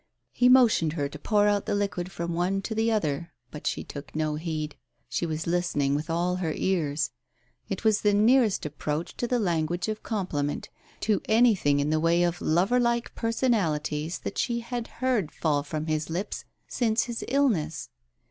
He motioned her to pour out the liquid from one to the other, but she took no heed; she was listen ing with all her ears. It was the nearest approach to the language of compliment, to anything in the way of loverlike personalities that she had heard fall from his lips since his illness.